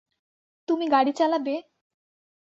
তুমি গাড়ি চালাবে?